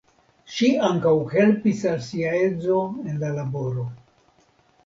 Ŝi ankaŭ helpis al sia edzo en la laboro.